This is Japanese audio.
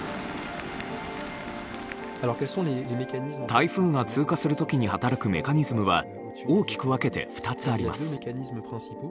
台風が通過する時に働くメカニズムは大きく分けて２つあります。